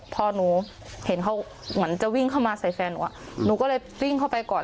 พอหนูเห็นเขาเหมือนจะวิ่งเข้ามาใส่แฟนหนูอ่ะหนูก็เลยวิ่งเข้าไปก่อน